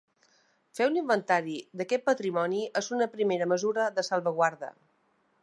Fer un inventari d’aquest patrimoni és una primera mesura de salvaguarda.